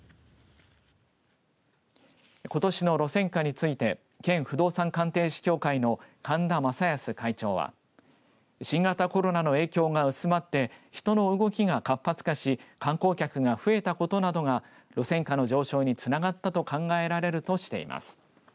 ことしの路線価について県不動産鑑定士協会の神田勝廉会長は新型コロナの影響が薄まって人の動きが活発化し観光客が増えたことなどが路線価の上昇につながったと考えられるとしています。